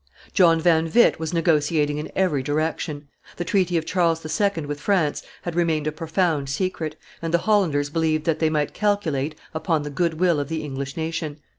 John van Witt was negotiating in every direction. The treaty of Charles II. with France had remained a profound secret, and the Hollanders believed that they might calculate upon the good will of the English nation.